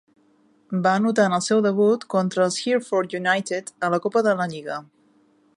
Va anotar en el seu debut contra els Hereford United a la Copa de la Lliga.